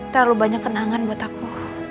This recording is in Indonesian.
terlalu banyak kenangan buat aku